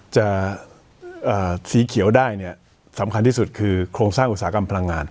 สีเขียวได้เนี่ยสำคัญที่สุดคือโครงสร้างอุตสาหกรรมพลังงาน